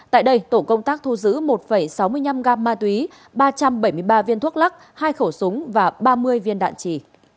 tại đây tổ công tác thu giữ một sáu mươi năm gam ma túy ba trăm bảy mươi ba viên thuốc lắc hai khẩu súng và ba mươi viên đạn trì